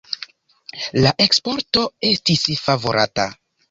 La eksporto estis favorata.